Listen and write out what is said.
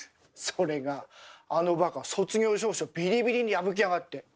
それがあのバカ卒業証書ビリビリに破きやがって！